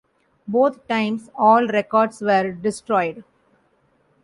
Both times all records were destroyed.